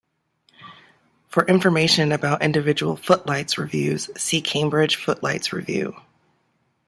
For information about individual Footlights revues, see Cambridge Footlights Revue.